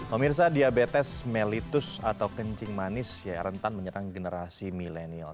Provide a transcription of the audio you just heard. pemirsa diabetes melitus atau kencing manis rentan menyerang generasi milenial